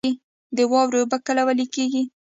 د واورې اوبه کله ویلی کیږي؟